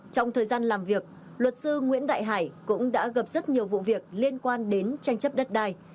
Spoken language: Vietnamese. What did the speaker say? trong thời gian làm việc luật sư nguyễn đại hải cũng đã gặp rất nhiều vụ việc liên quan đến tranh chấp đất đai